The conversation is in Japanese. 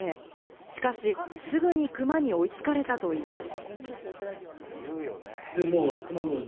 しかし、すぐにクマに追いつかれたといいます。